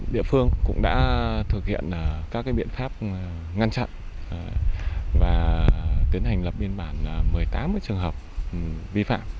địa phương cũng đã thực hiện các biện pháp ngăn chặn và tiến hành lập biên bản một mươi tám trường hợp vi phạm